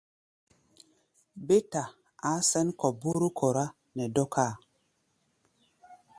Bé ta a̧á̧ sɛ̌n kɔ̧ bóró kɔrá nɛ dɔ́káa.